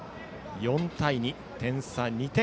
４対２、点差２点。